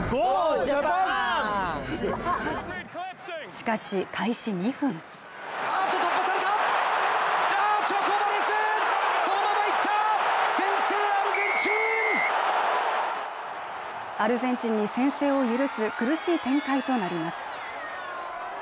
しかし開始２分アルゼンチンに先制を許す苦しい展開となります